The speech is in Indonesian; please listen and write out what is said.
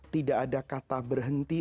tidak ada kata berhenti